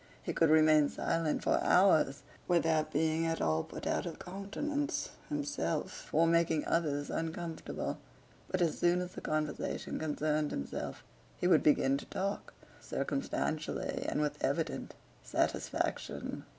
He could remain silent for hours without being at all put out of countenance himself or making others uncomfortable, but as soon as the conversation concerned himself he would begin to talk circumstantially and with evident satisfaction.